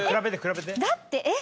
だってえっ？